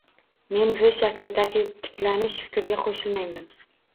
Men V shaklidagi tiklanish fikriga qo'shilmayman